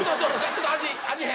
ちょっと味味変。